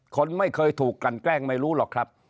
คนไม่เคยถูกกันแกล้งไม่รู้หรอกครับ